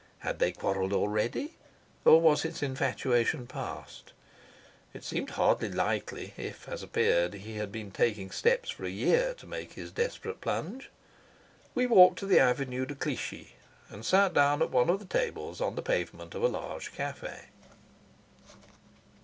Had they quarrelled already, or was his infatuation passed? It seemed hardly likely if, as appeared, he had been taking steps for a year to make his desperate plunge. We walked to the Avenue de Clichy, and sat down at one of the tables on the pavement of a large cafe.